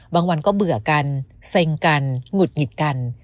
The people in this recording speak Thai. บางวันก็เบื่อกันเซ็งกันหงุดหงิดกัน